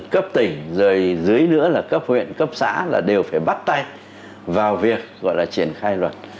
cấp tỉnh rồi dưới nữa là cấp huyện cấp xã là đều phải bắt tay vào việc gọi là triển khai luật